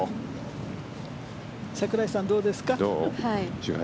櫻井さん、どうですか？